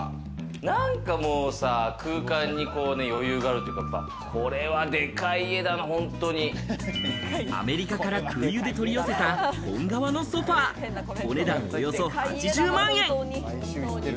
なんかもうさ、空間に余裕があるというか、アメリカから空輸で取り寄せた本革のソファ、お値段およそ８０万円。